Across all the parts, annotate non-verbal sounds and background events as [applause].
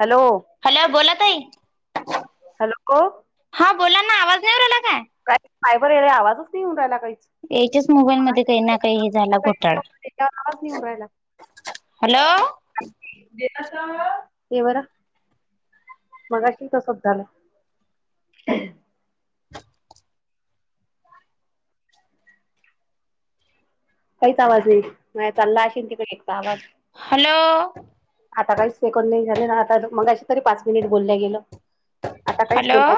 Hello hello बोला ताई hello हा बोला ना आवाज नाही येऊ रहीला काय. काही कायबर यायला आवाजच नाही येऊ रायला काहीच याच्याच मोबाईल मध्ये काही ना काही हे झाला घोटाळा त्याच्यावर आवाज नाही हॅलो ेत ते बर मगाशी कसच झालं. काहीच आवाज नाही म चाललाशेल की पण एकचा आवाज हॅलो आता काही सेकंड नाही झाले ना आता मग अ तरी पाच मिनिट बोललं गेलं. आता काहीच हॅलो बोला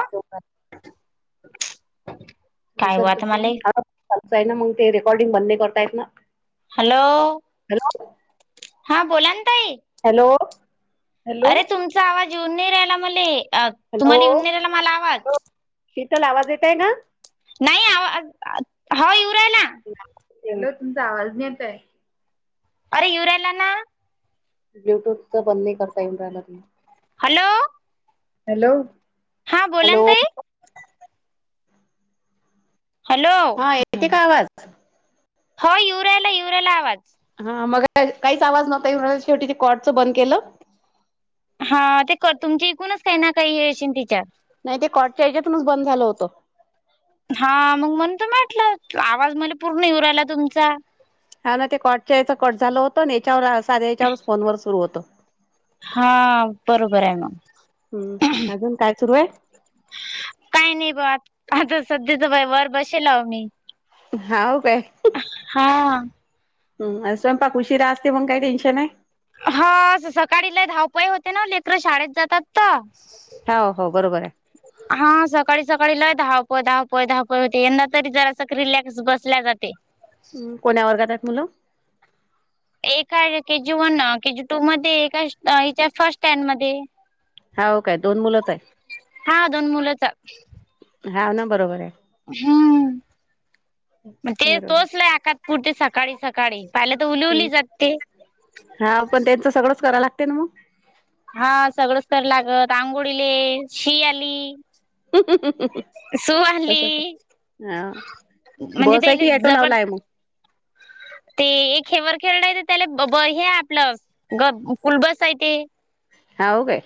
काय हो दिसत आता प मला चाल आहे ना मग ते रेकॉर्डिंग बंद नाही करतायत ना. हॅलो हॅलो हा बोला ना तई हॅलो हॅलो अरे तुमचा आवाज येऊन नाही राहियला मला तुम्हाला येऊन हॅलो नाही राहियला मला आवाज शीतल आवाज येत आहे ना. नाही आ हो येऊ राहिला. तो तुमचा आवाज न येतय. अरे ईऊ राहिला ना. ब्ल्यूटूथचं बंद नाही करता येऊ राहील तूला. हॅलो! हॅलो! हां बोला ना हॅलो ताई हॅलो हा येते का आवाज हो ईऊ राहिला ईऊ राहिला आवाज हा मग काहीच आवाज नव्हता शेवटी ते कॉडचं बंद केलं. हा ते कर तुमची इकूनच काही ना काही अशन तिच्या नाही ते कॉड च्या याच्यातूनच बंद झालं होतं. हा मग मण त म्हटलं आवाज मला पूर्ण येऊ राहिला तुमचा. हा ना ते कटच्या याच कट झालं होतं आणि याच्यावर साध्या याच्यावरच फोनवर सुरु होत हा बरोबर आहे मग. हम्म अजून काय सुरू आहे? काही नाही ब आ आता सध्याच बाई वर बसेल आहे मी हाव काय हा आ हम्म अ स्वयपाक ऊशीरा आस्ती मुग काय टेनशन. हा सकाळी लई धावपय होते ना लेकर शाळेत जातात तर हा हो बरोबर आहे. हा सकाळी सकाळी लई धावपळ धावपळ धावपळ होते यंदा तरी जरा सख रिलॅक्स बसल्या जाते. कोण्या वर्गात आहे मुलं. एका केजी वन केजी टू मध्ये एका हच्या फर्स्ट टेन मध्ये हाव काय दोन मुलंच आहे हा दोन मुलंच हा ना बरोबर आहे. हम्म मग ते बरोबर. तोच ला आकात पुरती सकाळी सकाळी पाहिले तर उलीउली हम्म जाते हा पण त्यांचं सगळंच करायला लागते ना मग हा सगळंच तर लागत आंघोळीले शि आली सु आली. तसंच. हा म्हणजे बस आहे तैले की ऍटो जबर लावला आहे मग? ते एक हेेवर खेळडायेत त्याला ब हे आपलं ग क स्कूलबसा य ते. हाव काय.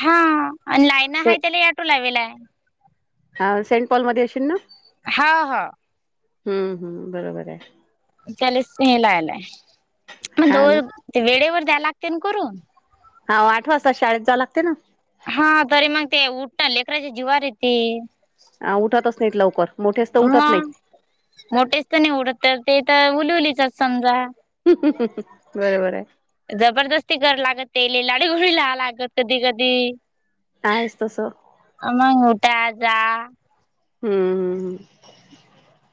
हा आणि लायन हा त्याला आटू लावेला. हा सेंट पॉलमध्ये असशील ना. हाव हाव. हम्म हम्म बरोबर आहे. त्याला स् लालाय म्हद हा ना वेळेवर द्यायला लागते ना करून हा आठ वाजता शाळेत जाल लागत ने हा तरी मग ते उठ लेकराच्या जीवार य ते. ह उठतच नाहीत लवकर. मोठेच तर उठत मग नाहीत मोठेच तर नाही उडत तर ते तर उलवलीचात समजा. हा हा बरोबर आहे. जबरदस्ती कर लागत ते ले लाडीगोळी लाहाव लागत कधी कधी. आहेस तसं. आ मग ए उठा जा. हम्म हम्म हम्म.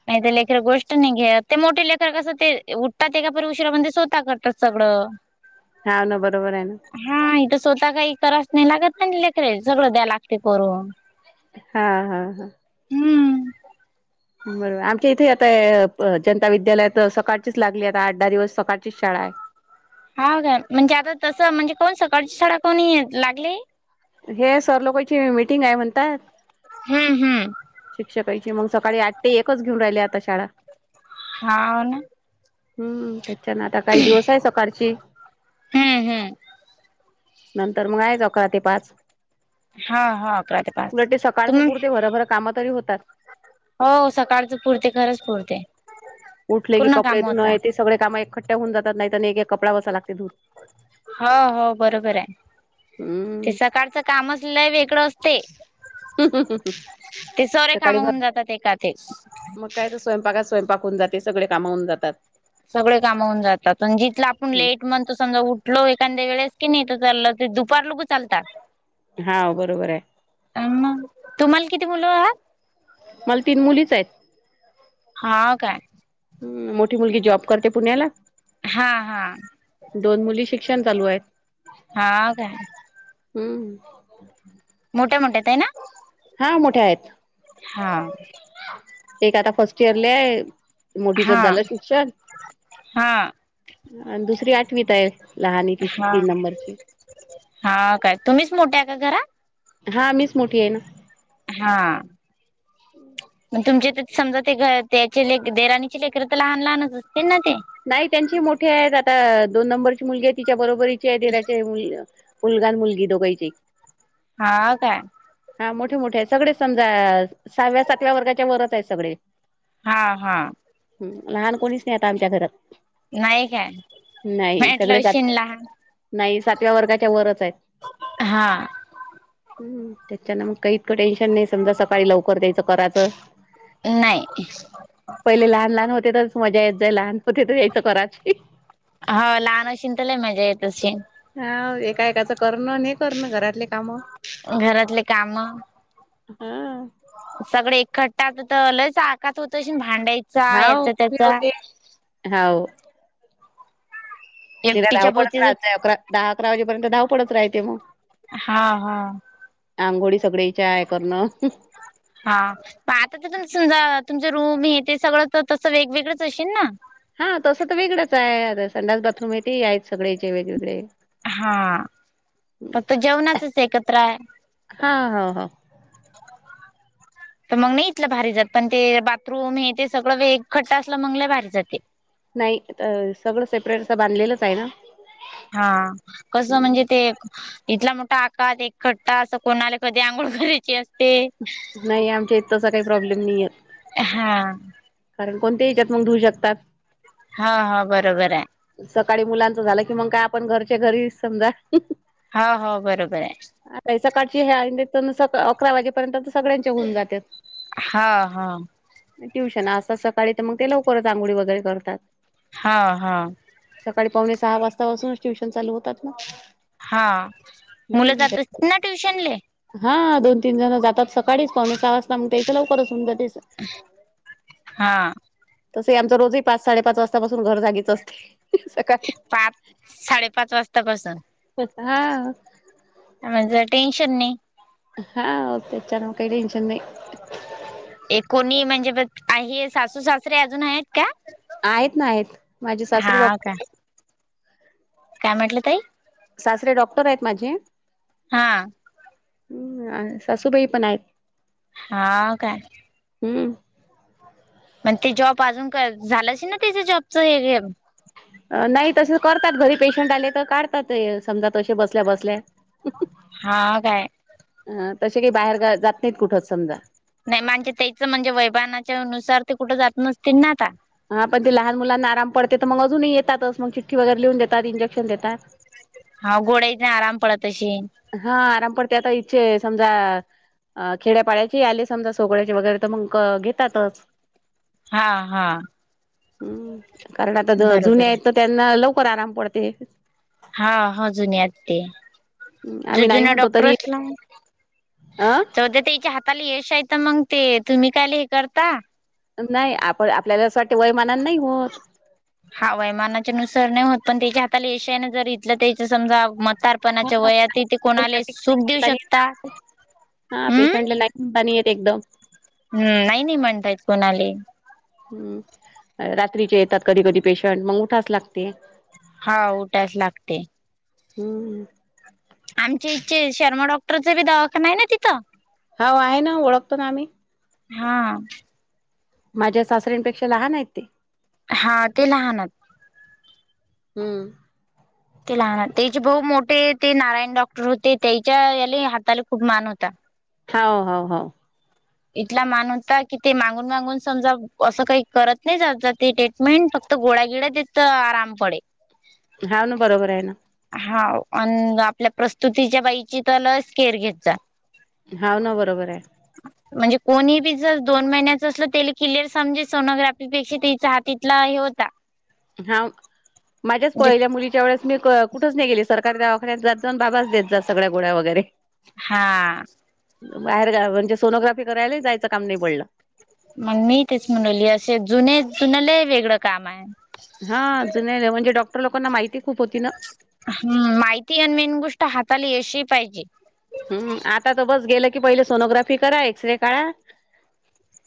नाही तर लेखकरक गोष्ट नाही घ्या ते मोठे लेखक कसं ते उठतात ए का प उशरा म्हणे स्वतः करतात सगळं. [unintelligible] हाव ना बरोबर आहे ना. हा इथं स्वतः काइ कच नाही लागत नाही लेकर सगळं द्या लागते करून. हा हा हा. हम्म. बरोबर आमच्या इथे आता जनता विद्यालय तर सकाळचीच लागली आता आठ दहा दिवस सकाळचीच शाळा आहे. हा का म्हणजे आता तसं म्हणजे कोण सकाळची शाळा कोणी लागली. हे सर लोकांची मिटिंग आहे म्हणतात. हम्म हम्म. शिक्षकाची मग सकाळी आठ ते एकच घेऊन राहिली आता शाळा. हाव ना. हम्म त्याच्यान आता काही दिवस आहे सकाळची. हम्म हम्म. नंतर मग आहेयच अकरा ते पाच. हा हा अकरा पाच उलट ते सकाळचं तुम्ही पुरते भरभर काम तरी होतात. हो सकाळच पुरते खरंच पुरते. उठले की पूर्ण कडे काम होता धुणय ते सगळे काम एकखठ्ठ्या होऊन जात नाहीत आणि एक कडा बसा लागते धुून. हो हो बरोबर आहे ते हम्म सकाळचं काम असलं वेगळं असत. ते ते सरे सकाळी भर कामहन जातात एका एक. मग काय तर स्वयंपाकात स्वयंकून जाते सगळे कामाहून जातात. सगळे कामाहून जातात जिथलं आपण लेट म्हणत समजा उठलो एखाद्या वेळेस की नाही तर चाललं. दुपार लघू चालतात. हा बरोबर आहे. अम तुम्हाला किती मुलं आहात. मला तीन मुलीच आहेत. हा काय. ह मोठी मुलगी जॉब करते पुण्याला. हा हा [inaudible] दोन मुली शिक्षण चालू आहेत. हा [inaudible] काय हम्म, मोठे मोठेेत आहे ना? हा मोठ्या आहेत. हा, [inaudible] एक आता फर्स्ट इयर ल आहे मोठीच हा झालं शिक्षण. [inaudible] हा आणि दुसरी आठवीत आहे लहनी ती हा तीन नंबरची. हा काय तुम्हीच मोठ्या का घरा. हा मीच मोठी आहे ना हा, तुमचे तर समजा ते त्याचे ले देराणीची लेकर तर लहान लहानच असतील ना ते नाही त्यांची मोठे आहेत आता दोन नंबरची मुलगी आहे तिच्या बरोबरीची आहे देराचे मुलग मुलगा आणि मुलगी दोघही. हा काय? हा मोठे मोठे आहे सगळे समजा सहाव्या सातव्या वर्गाच्या वरच आहे सगळे, हा हा, ह लहान कोणीच नाही आता आमच्या घरात नाही काय [inaudible] नाही भेटल सगळे सात शिनला नाही सातव्या वर्गाच्या वरच आहेत. हा, हम्म त्याच्यान मग काही इतकं टेन्शन नाही समजा सकाळी लवकर द्यायचं करायचं नाही. पहिले लहान लहान होते तरच मजा येत जा लहान होते तर यायचं कराच हो लहान अशन तरलाय मजा येतशी हा एका एकाचं करणं हे करणं घरातले कामं. घरातले काम. हां. सगळे एखट्टा तर लयच आकात होत अशील भांडायचा हा याचा त्याचा. होते हाव. तला धाव एकटीच्या पडच भोवती राहायचं अकरा दहा अकरा वाजेपर्यंत धावपडच राहते मग. हा हा, आंघोळी सगळे चाय करणं हा म आता तर तुम समजा तुमचं रूम हे ते सगळं तर तसं वेगवेगळंच असशेल ना. हा तसं तर वेगळंच आहे आ संलाास बाथरूम आहे, आहेत सगळेचे वेगवेगळे हा, फक्त जेवणाचच एकत्र आहे. हा हा ह. तर मग नाही इथलं भारी जात पण ते बाथरूम हे ते सगळं वेग खट्ट असलं मग नाही भारी जाते. नाही सगळं सेपरेट असं बांधलेलंच आहे ना. हा कसं म्हणजे ते इथला मोठा आकारात एक खट्टा असं कोणा आले कधी आंघोळ कधची असते नाही आमच्या इथ तसा काही प्रॉब्लेम नाहीय, हा. कारण कोणत्या हेच्यात मग धुऊ शकतात. हां हां बरोबर आहे. सकाळी मुलांच झालं की मंग काय आपण घरचे घरी समजा हां हाव बरोबर आहे. आता हे सकाळची हे आ तर सका अकरा वाजेपर्यंत तर सगळ्यांच्या होऊन जात्यात. हां हां. ट्युशन असतात सकाळी तर मग ते लवकरच आंघोळी वगैरे करतात. हां हां. सकाळी पावणे सहा वाजता पासूनच ट्युशन चालू होतात ना. हां मुलं जातात ना ट्युशनले. हां दोन, तीन जण जातात सकाळीच पावणे सहा वाजता मग त्याचं लवकरच होऊन जाते. हां. तसेही आमच रोजही पाच साडेपाच वाजतापासून घर जागीच असते सकाळी. पाच साडेपाच वाजतापसून. हा म्हणजे टेन्शन नाही. हां त्याच्यानं मग काही टेन्शन नाही. एक कोणी म्हणजे आहे सासू सासरे अजून आहेत. का आहेत ना आहेत माझे सासरे हा डॉक्टर का आहेत. काय म्हटला ताई सासरे डॉक्टर आहेत माझे. हां. हम्म सासूबाई पण आहेत. हां काय हम्म. पण ते जॉब अजून काय झालंस ना त्याच्या जॉबच हे नाही तसे करतात घरी पेशंट आले तर काढतात हे समजा तसे बसल्या बसल्या. हां काय. हां तसे काही बाहेर गा जात नाहीत कुठंच समजा. नाही म्हणजे त्याच म्हणजे वैमानाच्या नुसार ते कुठं जात नसतील ना आता? हां पण ते लहान मुलांना आराम पडते तर मग अजूनही येतातच मग चिठ्ठी वगैरे लिहून देतात इंजेक्शन देतात. हां गोळ्या नी आराम पडत अशीन. हां आराम पडतय आता इचे समजा अ खेड्यापाड्याची आले समजा सोगड्याचे वगैरे तर मग घेतातच. हा हा हम्म कारण आता जुने बरोबर आहे आहेत तर त्यांना लवकर आराम पडते. हा ह जुने यात ते जो आम्ही जुन नाही म्हणतो डॉक्टर तरी असला अ त देते हिच्या हात ताला यश आहे तर मग ते तुम्ही काय ल हे करता नाही आपण आपल्याला असं वाटते वयमानान नाही होत. हां वयमानाच्या नुसार नाही होत पण त्याच्या हाताला यश आहे ना जर इथलं त्याच समजा म्हा तारपणाच्या हा वयातही तेे कोणाला सुख देऊ शकता. हम्म बाणी येत एकदम. हम्म नाही नाई म्हणता येत कोणाली. हम्म रात्रीचे येतात कधी कधी पेशंट मग उठास लागते. हां उठायंच लागते. हम्म. आमच्या हेचे शर्मा डॉक्टर चा बी दवाखाना आहे ना तिथं हाव आहे ना ओळखतो ना आम्ही. हां. माझ्या सासऱ्यांंपेक्षा लहान आहेत ते. हां ते लहानत. हम्म. ते लहान त्याचे भाऊ मोठे ते नारायण डॉक्टर होते त्याच्या याले हाताला खूप मान होता. हाव हाव हाव. इथला मान होता की ते मागून मागून समजा असं काही करत नाही जात ते ट्रीटमेंट फ तर गोळा गिळा देत त आराम पडे. हाव ना बरोबर आहे ना. हा अन आपल्या प्रस्तुतीच्या बाईची तर ल स् केअर घेत जा. हाव ना बरोबर आहे. [unintelligible] म्हणजे कोणीही बी जर दोन महिन्याच असलं त्याला क्लिअर समजे सोनोग्राफीपेक्षा पेक्षा त्याचा हात इथला हे होता. हा माझ्याच म्हणजे पहिल्या मुलीच्या वेळेस मी कुठच नाही गेली सरकारी दवाख्यात जात जाऊन बाबाच देत जात सगळ्या गोडळ्या वगैरे हा. बाहेर गावी म्हणजे सोनोग्राफी करायला जायचं काम नाही पडलं मग मी तेच म्हणवली असे जुने जुन्यालाही वेगळं काम आहे. हा जुन्या म्हणजे डॉक्टर लोकांना माहिती खूप होती ना ह माहिती आणि मेन गोष्ट हाताले यश हि पाहिजे. हम्म आता तर बस गेलं की पहिले सोनोग्राफी करा एक्सरे काढा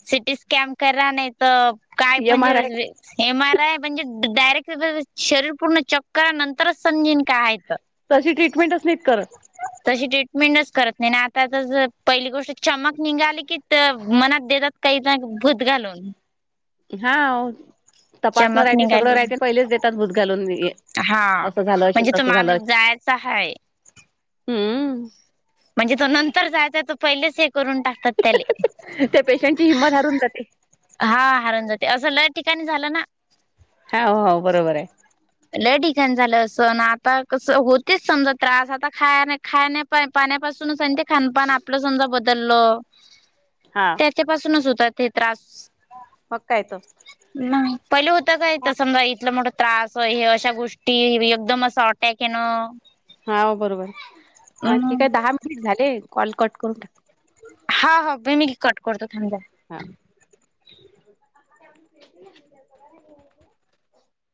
सिटी स्कॅन करा नाही तर काय एम आर आय म्हणजे एम आर आय म्हणजे डायरेक्ट शरीर पूर्ण चेक करा नंतरच समजीन काय हाय ते तशी ट्रीटमेंटच असली तर तशी ट्रीटमेंटच करत नाही आता पहिली गोष्ट चमक निघाली की पित्त मनात देतात काही भूत घालून हा तपासणं चमक राहते सगळं निघाली राहते पहिलेच देतात भूत घालून हा असं झालं असेल म्हणजे तो तसं झालं माणूस असेल जायचा आहे. हम्म म्हणजे तो नंतर जायचा तो पहिलेच हे करून टाकतात त्याले त्या पेशंटची हिंमत हारून जाते. हा हारुण जाते असं लय ठिकाणी झालं ना हा हो बरोबर आहे. लय ठिकाण झालं असं आता कस होतेच समजा त्रास आता खाय खाय पाण्यापासूनच आणि ते खानपान आपलं समजा बदललं हा. त्याच्या पाासूनच होता ते त्रास. मग काय तर नाही पहिले होत काय तर समजा इथलं मोठं त्रास हे अशा गोष्टी एकदम असं अटॅक आहे ना हा बरोबर ह ठीक आहे दहा मिनिट झाले कॉल कट करून टाक हा हो [inaudible] कट करतो थांबा. हा.